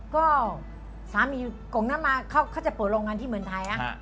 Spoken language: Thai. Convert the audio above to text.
ก็สามีอยู่กงนั้นมาเขาจะเปิดโรงงานที่เมืองไทยนะ